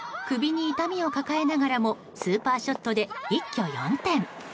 首に痛みを抱えながらもスーパーショットで一挙４点。